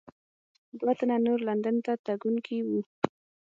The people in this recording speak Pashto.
دوه تنه نور لندن ته تګونکي وو.